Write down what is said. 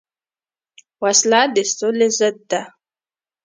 وسله د سولې ضد ده